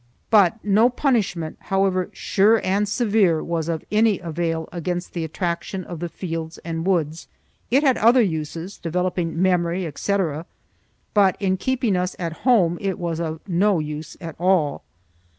But no punishment, however sure and severe, was of any avail against the attraction of the fields and woods. It had other uses, developing memory, etc., but in keeping us at home it was of no use at all.